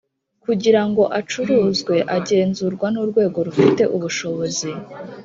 kugira ngo acuruzwe agenzurwa n Urwego rufite ubushobozi